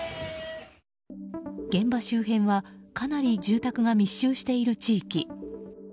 現場周辺はかなり住宅が密集している地域。